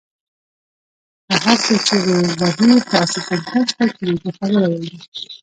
که هر څو چیغې وهي داسې څوک نشته، چې د ده خبره واوري